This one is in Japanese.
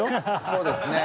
そうですね。